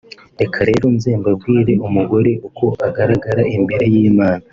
reka rero nze mbabwire umugore uko agaragara imbere y’Imana